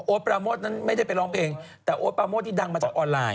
ปราโมทนั้นไม่ได้ไปร้องเพลงแต่โอ๊ตปราโมทนี่ดังมาจากออนไลน์